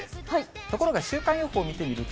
ところが週間予報見てみると。